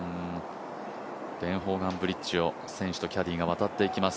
ベン・ホーガンブリッジを選手とキャディーが渡っていきます。